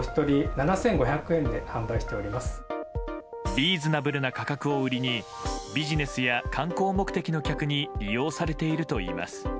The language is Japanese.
リーズナブルな価格を売りにビジネスや観光目的の客に利用されているといいます。